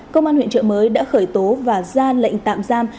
công an huyện trợ mới đã khởi tố và ra lệnh tạm giam